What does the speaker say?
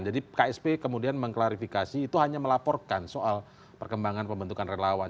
jadi ksp kemudian mengklarifikasi itu hanya melaporkan soal perkembangan pembentukan relawan